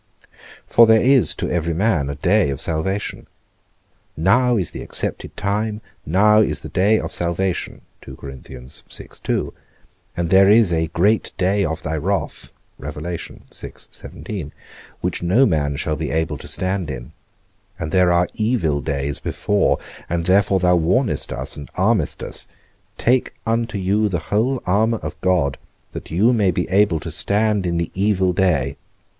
For there is to every man a day of salvation. Now is the accepted time, now is the day of salvation, and there is a great day of thy wrath, which no man shall be able to stand in; and there are evil days before, and therefore thou warnest us and armest us, Take unto you the whole armour of God, that you may be able to stand in the evil day.